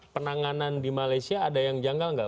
penanganan di malaysia ada yang janggal nggak